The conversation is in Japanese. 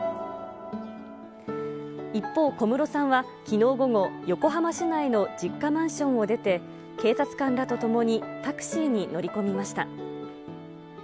一方、小室さんはきのう午後、横浜市内の実家マンションを出て、警察官らと共にタクシーに乗り込みました。